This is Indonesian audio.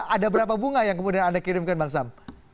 ada berapa bunga yang kemudian anda kirimkan bang sam